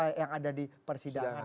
yang ada di persidangan